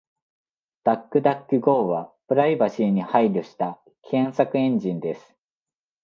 DuckDuckGo はプライバシーに配慮した検索エンジンです。